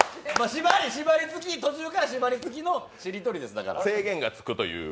途中からしばり付きのしりとりです、だから。